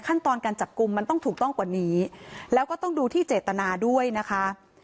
ขั้นตอนการจับกลุ่มมันต้องถูกต้องกว่านี้แล้วก็ต้องดูที่เจตนาด้วยนะคะ